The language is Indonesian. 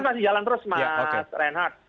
mas rengat masih jalan terus